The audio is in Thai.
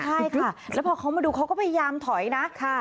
ใช่ค่ะแล้วพอเขามาดูเขาก็พยายามถอยนะ